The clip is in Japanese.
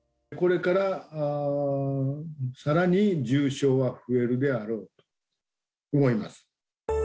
これからさらに重症は増えるであろうと思います。